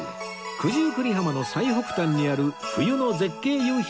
九十九里浜の最北端にある冬の絶景夕日